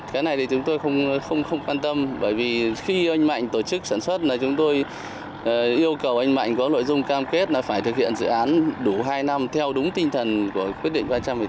cái này thì chúng tôi không quan tâm bởi vì khi anh mạnh tổ chức sản xuất là chúng tôi yêu cầu anh mạnh có nội dung cam kết là phải thực hiện dự án đủ hai năm theo đúng tinh thần của quyết định ba trăm một mươi chín